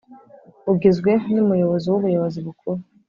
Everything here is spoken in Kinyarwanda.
Bugizwe n umuyobozi w ubuyobozi bukuru